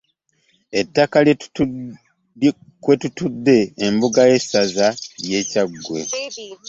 Ettaka kwe kutudde embuga y'essaza ly'e Kyaggwe.